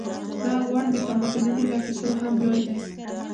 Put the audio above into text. دا غونډ د تمدنونو له کیسو هم لوی دی.